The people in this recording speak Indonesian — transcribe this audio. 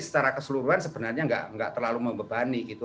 secara keseluruhan sebenarnya enggak enggak terlalu membebani gitu